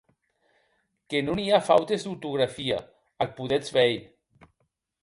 Que non i a fautes d’ortografia, ac podetz veir.